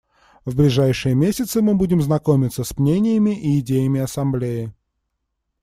В ближайшие месяцы мы будем знакомиться с мнениями и идеями Ассамблеи.